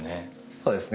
そうですね